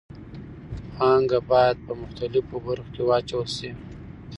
پانګه باید په مختلفو برخو کې واچول شي.